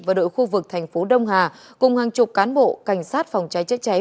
và đội khu vực thành phố đông hà cùng hàng chục cán bộ cảnh sát phòng cháy chữa cháy